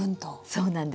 そうなんです。